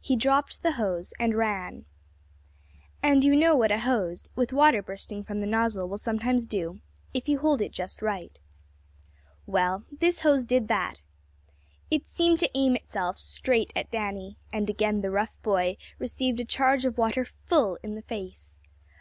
He dropped the hose and ran. And you know what a hose, with water bursting from the nozzle will sometimes do if you don't hold it just right. Well, this hose did that. It seemed to aim itself straight at Danny, and again the rough boy received a charge of water full in the face. "Ha!